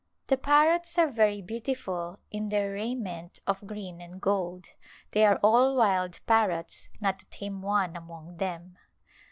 The parrots are very beautiful in their rai ment of green and gold. They are all wild parrots, not a tame one among them.